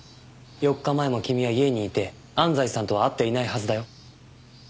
４日前も君は家にいて安西さんとは会っていないはずだよ。